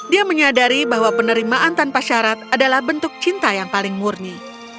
dia menyadari bahwa penerimaan tanpa syarat adalah bentuk cinta yang paling murni